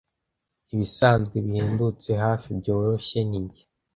Ibisanzwe, bihendutse, hafi, byoroshye, ni Njye,